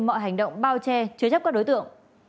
mọi hành động bao che chứa chấp các đối tượng